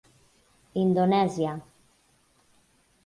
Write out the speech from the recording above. Indonèsia.